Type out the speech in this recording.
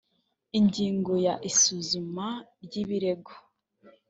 ingingo ya isuzuma ry ibirego